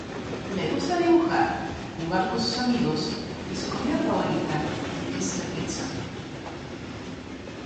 Le gusta dibujar, jugar con sus amigos y su comida favorita es la pizza.